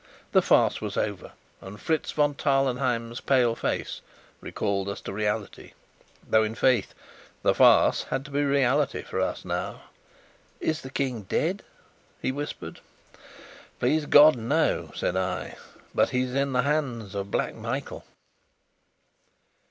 The farce was over, and Fritz von Tarlenheim's pale face recalled us to reality though, in faith, the farce had to be reality for us now. "Is the King dead?" he whispered. "Please God, no," said I. "But he's in the hands of Black Michael!"